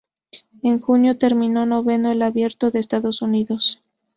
En junio terminó noveno en el Abierto de Estados Unidos.